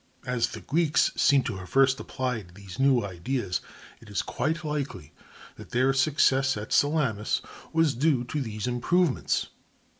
As the Greeks seem to have first applied these new ideas, it is quite likely that their success at Salamis was due to these improvements.